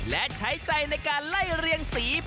และใช้ใจในการไล่เรียงสี